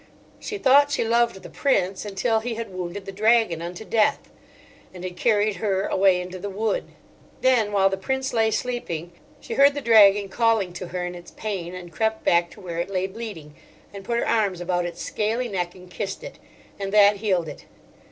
She thought she loved the Prince—until he had wounded the Dragon unto death and had carried her away into the wood. Then, while the Prince lay sleeping, she heard the Dragon calling to her in its pain, and crept back to where it lay bleeding, and put her arms about its scaly neck and kissed it; and that healed it.